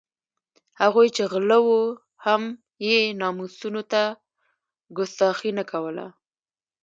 هغوی چې غله وو هم یې ناموسونو ته کستاخي نه کوله.